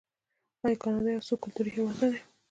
آیا کاناډا یو څو کلتوری هیواد نه دی؟